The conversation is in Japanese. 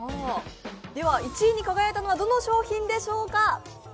１位に輝いたのはどの商品でしょうか。